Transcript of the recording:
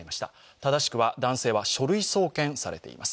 正しくは書類送検されています。